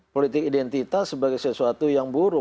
politik identitas sebagai sesuatu yang buruk